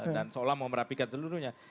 dan seolah mau merapikan seluruhnya